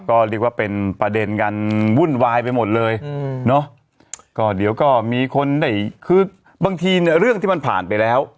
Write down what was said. ก็เรียกว่าเป็นประเด็นกันวุ่นวายไปหมดเลยอืมเนอะก็เดี๋ยวก็มีคนได้คือบางทีเนี่ยเรื่องที่มันผ่านไปแล้ว